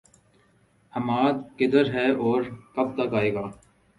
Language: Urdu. حماد، کدھر ہے اور کب تک آئے گا؟